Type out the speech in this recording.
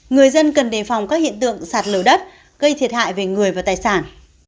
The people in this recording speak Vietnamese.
người dân cần đề phòng các hiện tượng sạt lở đất gây thiệt hại về người và tài sản